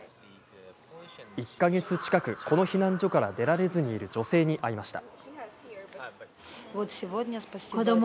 １か月近く、この避難所から出られずにいる女性に会いました。